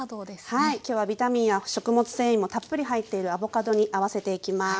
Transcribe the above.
はい今日はビタミンや食物繊維もたっぷり入っているアボカドに合わせていきます。